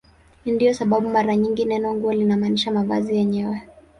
Ndiyo sababu mara nyingi neno "nguo" linamaanisha mavazi yenyewe.